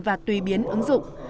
và tùy biến ứng dụng